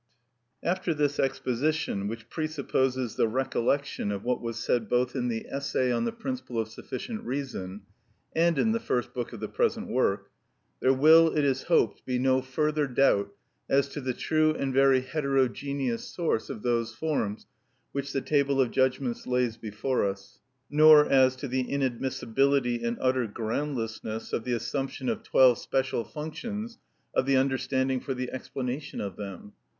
After this exposition, which presupposes the recollection of what was said both in the essay on the principle of sufficient reason and in the first book of the present work, there will, it is hoped, be no further doubt as to the true and very heterogeneous source of those forms which the table of judgments lays before us, nor as to the inadmissibility and utter groundlessness of the assumption of twelve special functions of the understanding for the explanation of them.